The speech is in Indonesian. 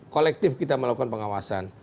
kolektif kita melakukan pengawasan